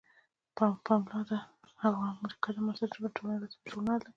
پملا د امریکا د معاصرو ژبو د ټولنې رسمي ژورنال دی.